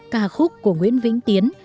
cà khúc của nguyễn vĩnh tiến